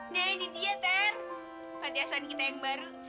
nah ini dia ter pantiasan kita yang baru